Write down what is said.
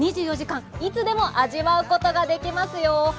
２４時間いつでも味わうことができますよー。